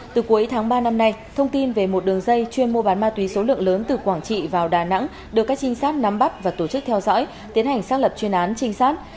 từ cuối tháng ba năm nay thông tin về một đường dây chuyên mua bán ma túy số lượng lớn từ quảng trị vào đà nẵng được các trinh sát nắm bắt và tổ chức theo dõi tiến hành xác lập chuyên án trinh sát